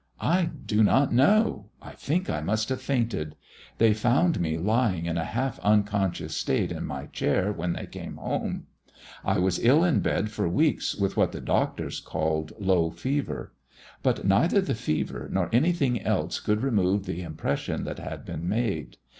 "I do not know. I think I must have fainted. They found me lying in a half unconscious state in my chair when they came home. I was ill in bed for weeks with what the doctors call low fever. But neither the fever nor anything else could remove the impression that had been made.